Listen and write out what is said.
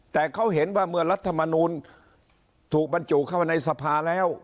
แต่เขาเห็นว่าเมื่อรัฐมนูลถูกบรรจุเข้ามาในสภาแล้ว